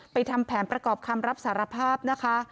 ทำแผนประกอบคำรับสารภาพนะคะ